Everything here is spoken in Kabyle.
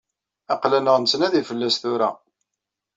Aql-aneɣ nettnadi fell-as tura.